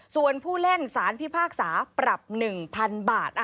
ส่วนผู้เล่นสารพิพากษาปรับ๑๐๐๐บาท